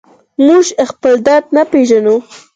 موږ خپل درد نه پېژنو.